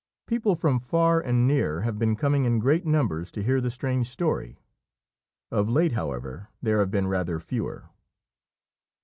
People from far and near have been coming in great numbers to hear the strange story; of late, however, there have been rather fewer."